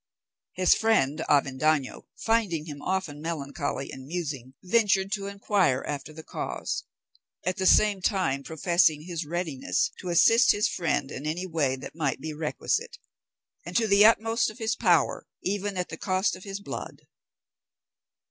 His friend Avendaño, finding him often melancholy and musing, ventured to inquire after the cause, at the same time professing his readiness to assist his friend in any way that might be requisite, and to the utmost of his power, even at the cost of his blood.